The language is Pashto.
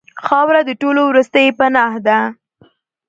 خاوره د ټولو وروستۍ پناه ده.